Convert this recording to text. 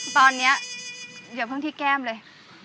ตอนนี้เดี๋ยวเพิ่งที่แก้มเลย